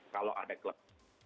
kalau ada klub